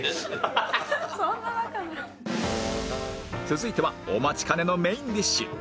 続いてはお待ちかねのメインディッシュ